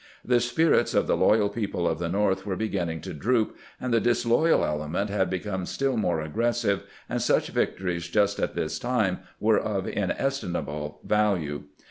The spirits of the loyal people of the North were beginning to droop, and the disloyal element had become still more aggressive, and snch victories just at this time were of inestimable value.